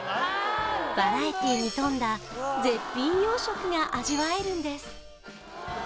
バラエティーに富んだ絶品洋食が味わえるんです